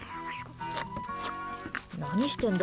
何してんだ？